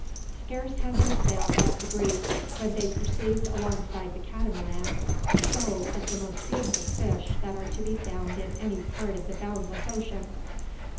Scarce had their sail caught the breeze, when they perceived alongside the Catamaran a shoal of the most beautiful fish that are to be found in any part of the boundless ocean.